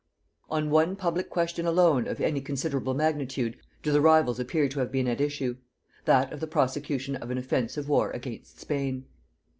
On one public question alone of any considerable magnitude do the rivals appear to have been at issue; that of the prosecution of an offensive war against Spain.